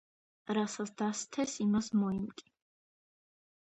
რასაც დასთეს, იმას მოიმკი